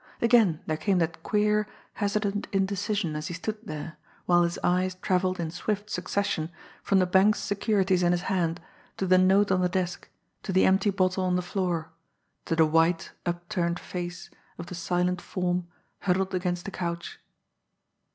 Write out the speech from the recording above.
Again there came that queer, hesitant indecision as he stood there, while his eyes travelled in swift succession from the bank's securities in his hand to the note on the desk, to the empty bottle on the floor, to the white, upturned face of the silent form huddled against the couch.